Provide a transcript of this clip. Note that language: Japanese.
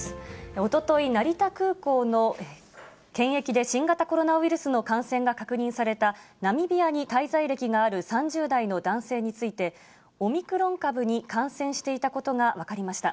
おととい、成田空港の検疫で、新型コロナウイルスの感染が確認されたナミビアに滞在歴がある３０代の男性について、オミクロン株に感染していたことが分かりました。